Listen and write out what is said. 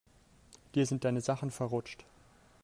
Dir sind deine Sachen verrutscht.